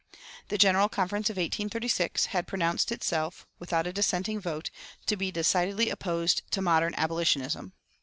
The General Conference of 1836 had pronounced itself, without a dissenting vote, to be "decidedly opposed to modern abolitionism."